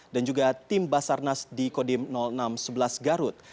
dan juga tim basarnas di kodim enam ratus sebelas garut